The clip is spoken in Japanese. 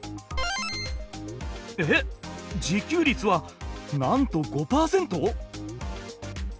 えっ自給率はなんと５％！？